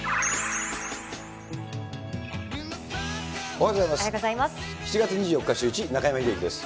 おはようございます。